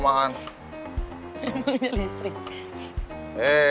emang jadi listrik neng